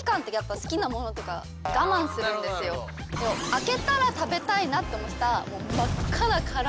あけたら食べたいなって思ってた本当